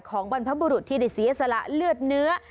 ของบาร์นพระบุรุษที่ได้สีเอศละเลือดเนื้อ